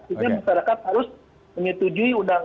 jadi masyarakat harus menyetujui